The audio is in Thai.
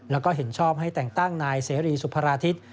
แล้วก็เห็นชอบให้แต่งตั้งนายเสรีสุภาราทิศ